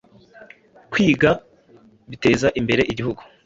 Kwiga biteza imbere igihugu